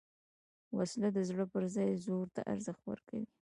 وسله د زړه پر ځای زور ته ارزښت ورکوي